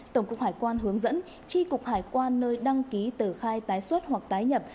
tổng cục hải quan hướng dẫn tri cục hải quan nơi đăng ký tờ khai tái xuất hoặc tái nhập